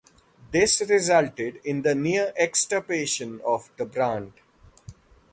This resulted in the near-extirpation of the brant.